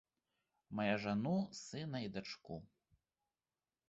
Мае жану, сына і дачку.